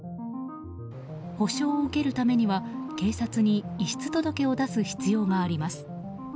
補償を受けるためには警察に遺失届を出す必要があります。